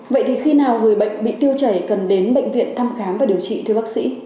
vậy thì khi nào người bệnh bị tiêu chảy cần đến bệnh viện thăm khám và điều trị thưa bác sĩ